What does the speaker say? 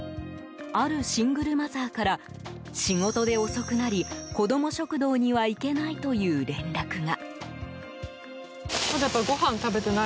あるシングルマザーから仕事で遅くなり、子ども食堂には行けないという連絡が。